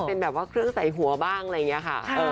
เป็นแบบว่าเครื่องใส่หัวบ้างอะไรอย่างนี้ค่ะ